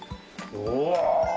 うわ！